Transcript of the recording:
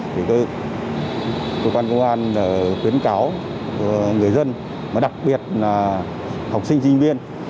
thì cơ quan công an khuyến cáo người dân mà đặc biệt là học sinh sinh viên